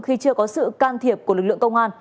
khi chưa có sự can thiệp của lực lượng công an